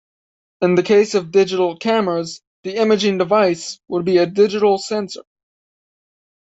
In the case of digital cameras, the imaging device would be a digital sensor.